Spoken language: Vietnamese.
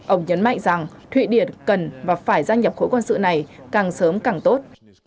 ông nhấn mạnh rằng thụy điển cần và phải gia nghiệp khối quan sự này càng sớm càng tốt